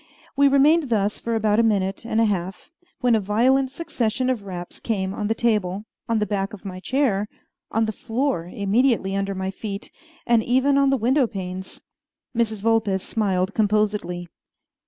We remained thus for about a minute and a half, when a violent succession of raps came on the table, on the back of my chair, on the floor immediately under my feet, and even on the window panes. Mrs. Vulpes smiled composedly.